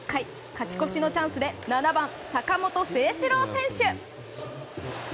勝ち越しのチャンスで７番、坂本誠志郎選手。